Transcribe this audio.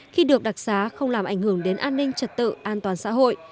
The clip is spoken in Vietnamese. khi được đặc xá không làm ảnh hưởng đến an ninh trật tự an toàn xã hội